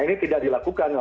ini tidak dilakukan